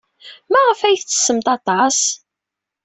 Maɣef ay tettessemt aṭas?